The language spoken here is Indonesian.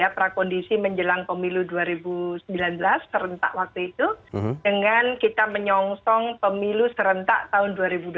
prakondisi menjelang pemilu dua ribu sembilan belas serentak waktu itu dengan kita menyongsong pemilu serentak tahun dua ribu dua puluh